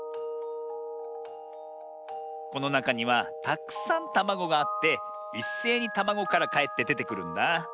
このなかにはたくさんたまごがあっていっせいにたまごからかえってでてくるんだ。